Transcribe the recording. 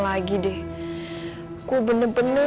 wah eh berat woy